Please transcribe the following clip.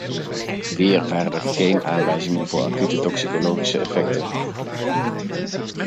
Weer waren er geen aanwijzingen voor acute toxicologische effecten.